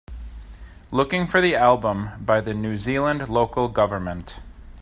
Looking for the album by the New Zealand Local Government